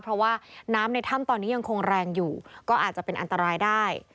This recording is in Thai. เพราะว่าน้ำในถ้ำตอนนี้ยังคงแรงอยู่ก็อาจจะเป็นอันตรายได้